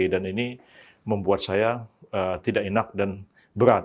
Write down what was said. dan ini membuat saya tidak enak dan berat